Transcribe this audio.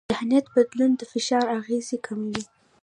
ذهنیت بدلون د فشار اغېزې کموي.